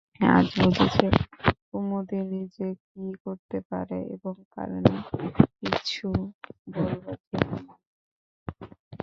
আজ বুঝেছে কুমুদিনী যে কী করতে পারে এবং পারে না কিচ্ছু বলবার জো নেই।